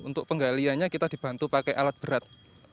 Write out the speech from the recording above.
untuk penggaliannya kita dibantu pakai alat berat